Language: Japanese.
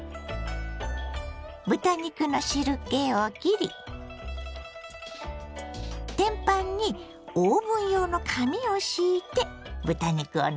豚肉の汁けをきり天パンにオーブン用の紙を敷いて豚肉をのせます。